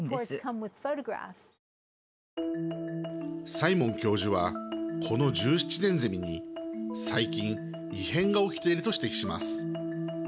サイモン教授はこの１７年ゼミに、最近異変が起きていると指摘します。